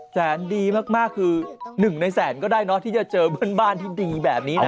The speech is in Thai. แสนดีมากคือ๑ในแสนก็ได้เนอะที่จะเจอเพื่อนบ้านที่ดีแบบนี้นะ